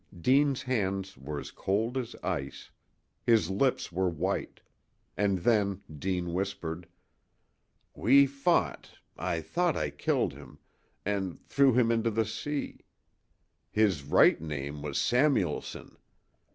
Deane's hands were as cold as ice. His lips were white. And then Deane whispered: "We fought I thought I killed him an' threw him into the sea. His right name was Samuelson.